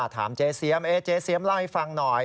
ถามเจเซียมเจเซียมเล่าให้ฟังหน่อย